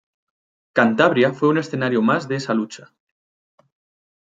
Cantabria fue un escenario más de esa lucha.